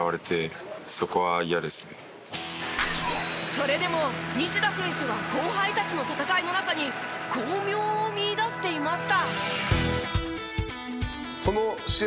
それでも西田選手は後輩たちの戦いの中に光明を見いだしていました。